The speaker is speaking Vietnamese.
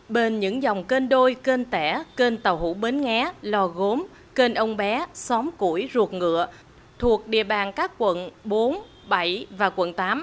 bên những dòng kênh đôi kênh tẻ kênh tàu hủ bến nghé lò gốm kênh ông bé xóm củi ruột ngựa thuộc địa bàn các quận bốn bảy và quận tám